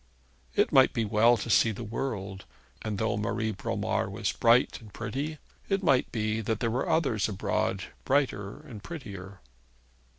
It might be well to see the world; and though Marie Bromar was bright and pretty, it might be that there were others abroad brighter and prettier.